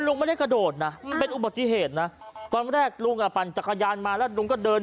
ไม่ได้กระโดดนะเป็นอุบัติเหตุนะตอนแรกลุงอ่ะปั่นจักรยานมาแล้วลุงก็เดิน